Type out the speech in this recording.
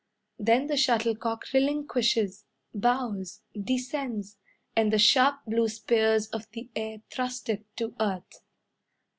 Then the shuttlecock relinquishes, Bows, Descends; And the sharp blue spears of the air Thrust it to earth.